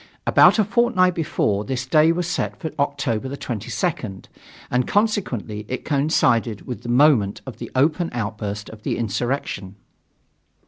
About a fortnight before, this day was set for October 22nd, and consequently it coincided with the moment of the open outburst of the insurrection.